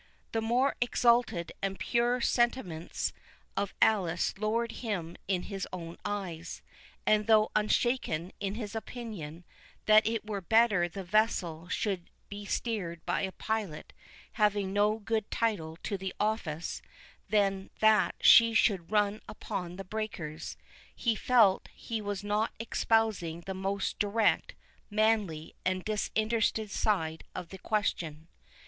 The more exalted and purer sentiments of Alice lowered him in his own eyes; and though unshaken in his opinion, that it were better the vessel should be steered by a pilot having no good title to the office, than that she should run upon the breakers, he felt that he was not espousing the most direct, manly, and disinterested side of the question.